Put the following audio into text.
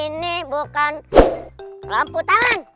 ini bukan lampu taman